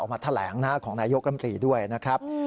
ออกมาแถลงของนายโยกรัมกรีย์ด้วยนะครับ